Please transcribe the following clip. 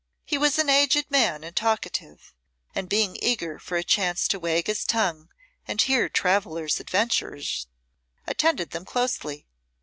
He was an aged man and talkative, and being eager for a chance to wag his tongue and hear travellers' adventures, attended them closely.